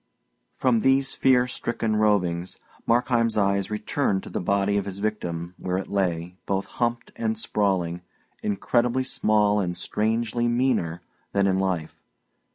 From these fear stricken rovings, Markheim's eyes returned to the body of his victim, where it lay, both humped and sprawling, incredibly small and strangely meaner than in life.